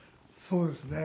そうですね。